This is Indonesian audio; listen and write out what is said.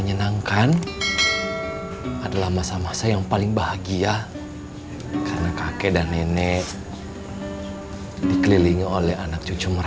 yang kita sendiri tidak paham